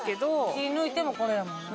気ぃ抜いてもこれやもんな。